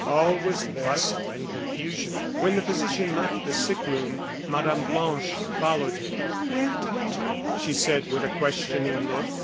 All was bustle and confusion. When the physician left the sick room, Mme. Blanche followed him. "Well, Doctor," she said, with a questioning look.